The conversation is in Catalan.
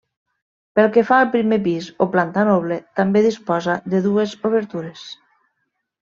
Pel que fa al primer pis o planta noble, també disposa de dues obertures.